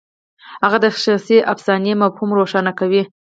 هغه د شخصي افسانې مفهوم روښانه کوي.